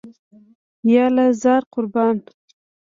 یاله زار، قربان.